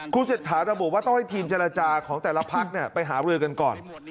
คุณเศรษฐาระบุว่าต้องให้ทีมเจรจาของแต่ละพักไปหารือกันก่อน